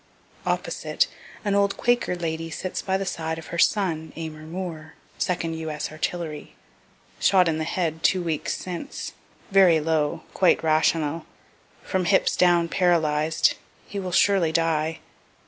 Opposite, an old Quaker lady sits by the side of her son, Amer Moore, 2d U. S. artillery shot in the head two weeks since, very low, quite rational from hips down paralyzed he will surely die.